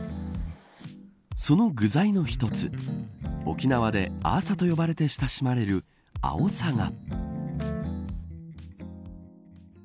その具材の一つ沖縄であーさと呼ばれて親しまれるあおさが。